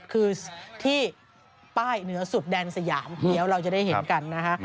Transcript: คือที่ป้ายเหนือสุดแดนสยามเดี๋ยวเราจะได้เห็นกันนะฮะ